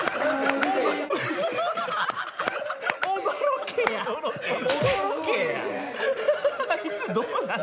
驚けや。